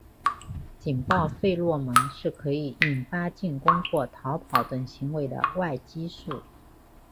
警报费洛蒙是可以引发进攻或逃跑等行为的外激素。